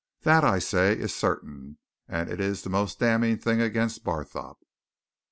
That, I say, is certain and it is the most damning thing against Barthorpe.